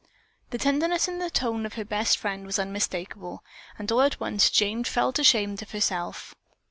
The tenderness in the tone of her best friend was unmistakable. All at once Jane felt ashamed of herself.